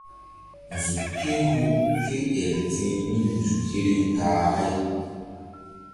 Nzuk ké hu ké el ti̧h nun nzuk yeri ta-a ɓáy.